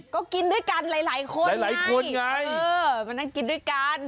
ก็กินด้วยกันหลายคนไงเออมันกินด้วยกัน